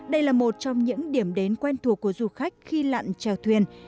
đây là một trong những điểm đến quen thuộc của du khách khi lặn trèo thuyền